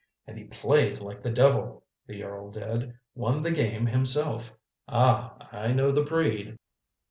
And he played like the devil the earl did won the game himself. Ah, I know the breed."